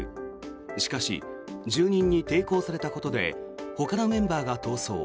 しかし、住人に抵抗されたことでほかのメンバーが逃走。